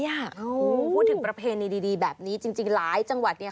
พูดถึงประเพณีดีแบบนี้จริงหลายจังหวัดเนี่ย